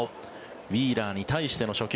ウィーラーに対しての初球。